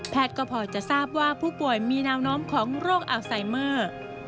ก็พอจะทราบว่าผู้ป่วยมีแนวโน้มของโรคอัลไซเมอร์